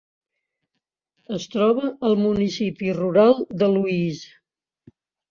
Es troba al municipi rural de Louise.